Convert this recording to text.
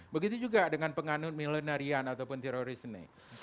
begitu juga dengan penganut milenarian ataupun terorisme